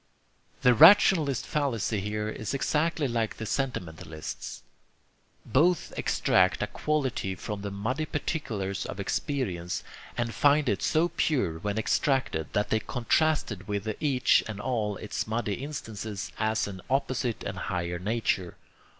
The rationalist's fallacy here is exactly like the sentimentalist's. Both extract a quality from the muddy particulars of experience, and find it so pure when extracted that they contrast it with each and all its muddy instances as an opposite and higher nature.